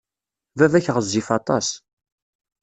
Baba-k ɣezzif aṭas.